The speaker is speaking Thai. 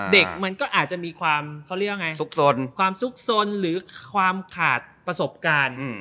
เด็กมันก็อาจจะมีความสุขสนหรือความขาดประสบการณ์